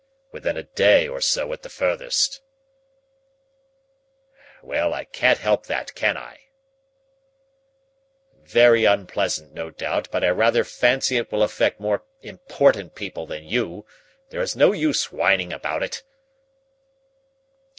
Within a day or so at the furthest.... Well, I can't help that, can I?... Very unpleasant, no doubt, but I rather fancy it will affect more important people than you. There is no use whining about it....